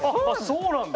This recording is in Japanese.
そうなんだ。